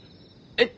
えっ？